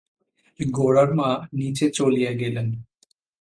গোরার মা নীচে চলিয়া গেলেন।